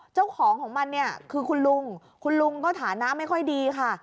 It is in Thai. เจ้าของของมันเนี่ยคือคุณลุงคุณลุงก็ฐานะไม่ค่อยดีค่ะ